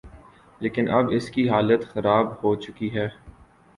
لیکن اب اس کی حالت خراب ہو چکی ہے۔